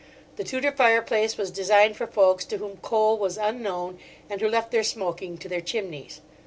The Tudor fireplace was designed for folks to whom coal was unknown, and who left their smoking to their chimneys.